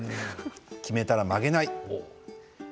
決めたら曲げない。